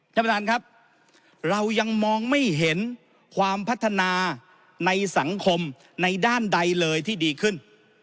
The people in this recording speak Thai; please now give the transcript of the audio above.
ท่านประธานครับเรายังมองไม่เห็นความพัฒนาในสังคมในด้านใดเลยที่ดีขึ้น